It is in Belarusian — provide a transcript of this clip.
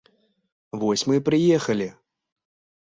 Вось мы і прыехалі!